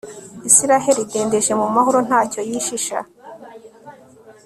israheli idendeje mu mahoro nta cyo yishisha